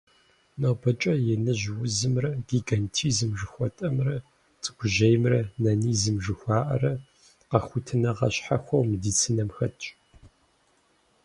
НобэкӀэ «иныжь узымрэ» - гигантизм жыхуэтӀэмрэ, «цӀыкӀужьеймрэ» - нанизм жыхуаӀэмрэ къэхутэныгъэ щхьэхуэу медицинэм хэтщ.